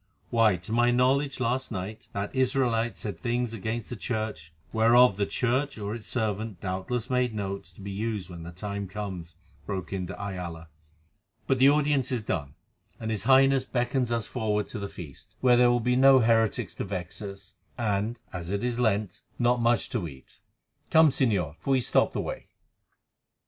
Why, to my knowledge last night, that Israelite said things against the Church——" "Whereof the Church, or its servant, doubtless made notes to be used when the time comes," broke in de Ayala. "But the audience is done, and his Highness beckons us forward to the feast, where there will be no heretics to vex us, and, as it is Lent, not much to eat. Come, Señor! for we stop the way."